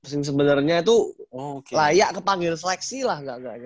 yang sebenarnya itu layak dipanggil seleksi lah